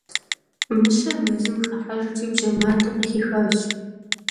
Мыщэр мэзым хыхьэжри, бжьэ матэ къыхихащ.